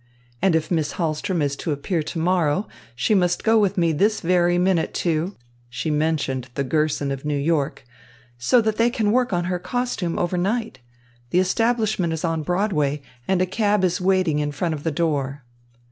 And if Miss Hahlström is to appear to morrow, she must go with me this very minute to" she mentioned the Gerson of New York "so that they can work on her costume over night. The establishment is on Broadway, and a cab is waiting in front of the door."